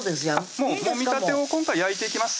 もうもみたてを今回焼いていきます